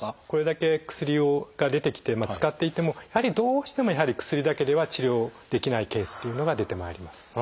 これだけ薬が出てきて使っていてもどうしてもやはり薬だけでは治療できないケースっていうのが出てまいります。